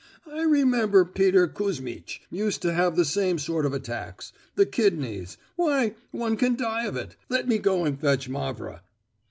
"I remember Peter Kuzmich used to have the same sort of attacks. The kidneys—why, one can die of it. Let me go and fetch Mavra."